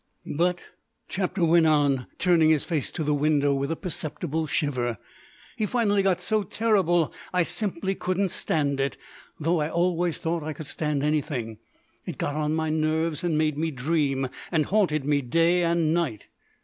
"But," Chapter went on, turning his face to the window with a perceptible shiver, "he finally got so terrible I simply couldn't stand it, though I always thought I could stand anything. It got on my nerves and made me dream, and haunted me day and night."